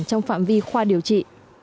trong phạm vi khoa điều trị